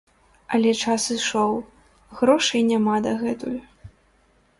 Але час ішоў, грошай няма дагэтуль.